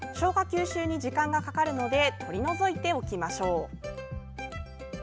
吸収に時間がかかるので取り除いておきましょう。